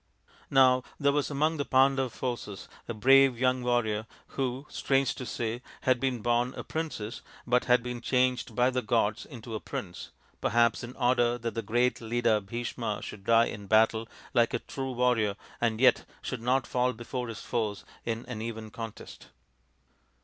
Now there was among the Pandav forces a brave young warrior who, strange to say, had been born a princess, but had been changed by the gods into a prince, perhaps in order that the great leader Bhisma should die in battle like a true warrior and yet should not fall before his foes in an even contest.